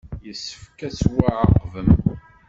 Yessefk ad ttwaɛaqben.